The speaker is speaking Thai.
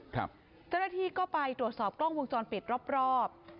เจ้าหน้าที่ก็ไปตรวจสอบกล้องวงจรปิดรอบรอบ